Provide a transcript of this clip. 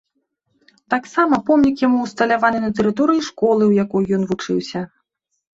Таксама помнік яму ўсталяваны на тэрыторыі школы, у якой ён вучыўся.